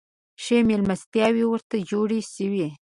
ښې مېلمستیاوي ورته جوړي سوې.